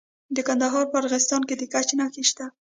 د کندهار په ارغستان کې د ګچ نښې شته.